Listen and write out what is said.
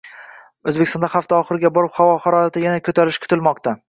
O‘zbekistonda hafta oxirlariga borib havo harorati yana ko‘tarilishi kutilmoqda